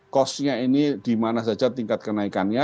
cost nya ini di mana saja tingkat kenaikannya